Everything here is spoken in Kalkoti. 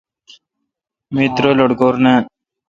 می ترہ لٹکور نان۔